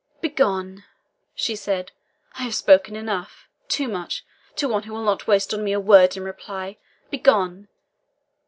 "Begone!" she said. "I have spoken enough too much to one who will not waste on me a word in reply. Begone!